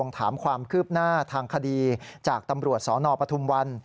ถามความคืบหน้าทางคดีจากตำรวจสนปทุมวัน